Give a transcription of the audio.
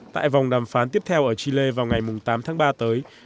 tại vòng đàm phán tiếp theo ở chile vào ngày tám tháng ba tới